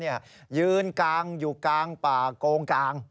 ยืนกางอยู่กลางป่าโกงกลาง